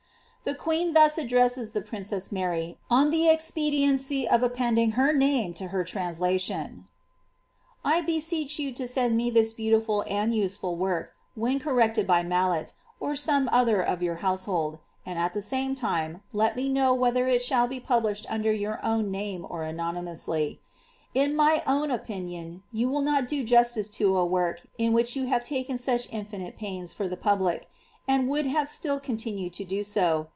The queen tlius addresses the princess Mary, on the expediency of appending her name to her translation :—" I beseech \\>n \n «.enrl me this heautiful ancl ti^rful work, "when correct<»d bf Mallet, or some other of your househohl ; and at tlie ranie time let me kiK'* M'hether it shall be piibli>hed under your own name or anonymously^ In of own opinion, you will not do justice to a work in which you have cri*n joci infuiite pain? I' r tiie public (anil w<iuld have ^Ti!l continued to do so.